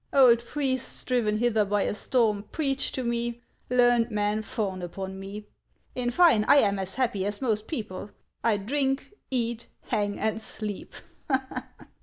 Old priests, driven hither by a storm, preach to me ; learned men fawn upon me. In fine, I am as happy as most people ; I drink, eat, hang, and sleep."